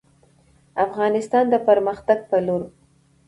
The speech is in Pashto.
افغانستان د پرمختګ په لور